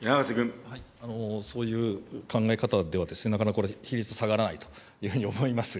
そういう考え方ではなかなかこれ、比率下がらないというふうに思います。